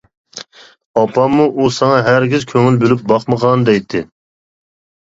ئاپاممۇ، ئۇ ساڭا ھەرگىز كۆڭۈل بۆلۈپ باقمىغان، دەيتتى.